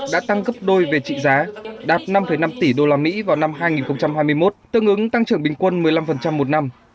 đã tăng gấp đôi về trị giá đạt năm năm tỷ usd vào năm hai nghìn hai mươi một tương ứng tăng trưởng bình quân một mươi năm một năm